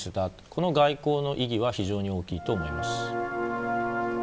この外交の意義は非常に大きいと思います。